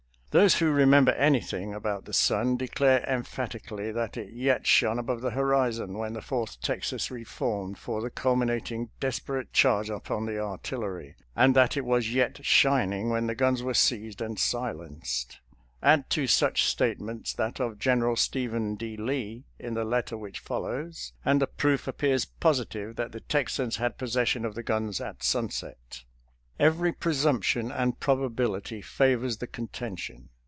Those who remember anything about the sun declare emphatically that it yet shone above the horizon when the Fourth Texas reformed for the culminating desperate charge upon the artillery, and that it was yet shining when the guns were seized and silenced. Add to such statements that of General Stephen D. Lee in the letter which follows, and the proof appears positive that the Texans had possession of the guns at sunset. Every presumption and probability favors the contention.